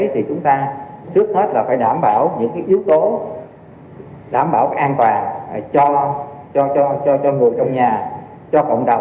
thì chúng ta trước hết là phải đảm bảo những yếu tố đảm bảo an toàn cho người trong nhà cho cộng đồng